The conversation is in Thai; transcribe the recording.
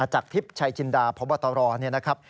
จักรทิพย์ชัยจินดาพบตรนะครับ